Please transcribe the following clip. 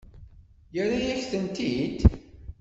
Yerra-yak-tent-id?